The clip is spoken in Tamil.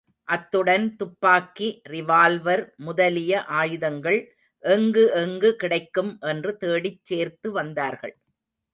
அத்துடன் துப்பாக்கி, ரிவால்வர் முதலிய ஆயுதங்கள் எங்கு எங்கு கிடைக்கும் என்று தேடிச் சேர்த்து வந்தார்கள்.